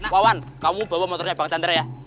wawan kamu bawa motornya bang chandra ya